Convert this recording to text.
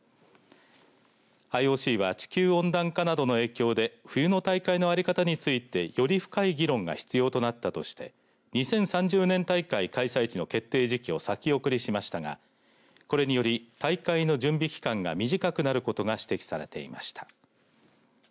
ＩＯＣは地球温暖化などの影響で冬の大会の在り方についてより深い議論が必要になったとして２０３０年大会開催地の決定時期を先送りしましたがこれにより、大会の準備期間が短くなることが指摘されていました。